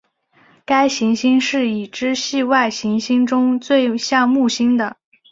该行星是已知系外行星中最像木星的。